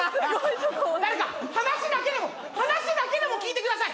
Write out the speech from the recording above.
誰か話だけでも話だけでも聞いてください